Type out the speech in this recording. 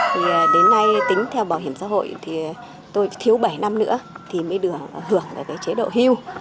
thì đến nay tính theo bảo hiểm xã hội thì tôi thiếu bảy năm nữa thì mới được hưởng về cái chế độ hưu